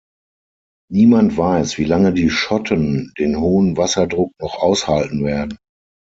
Niemand weiß, wie lange die Schotten den hohen Wasserdruck noch aushalten werden.